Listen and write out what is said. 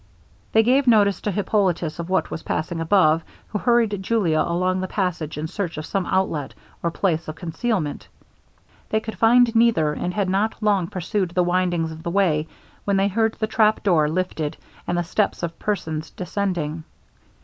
They gave notice to Hippolitus of what was passing above, who hurried Julia along the passage in search of some outlet or place of concealment. They could find neither, and had not long pursued the windings of the way, when they heard the trapdoor lifted, and the steps of persons descending.